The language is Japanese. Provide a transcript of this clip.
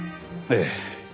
ええ。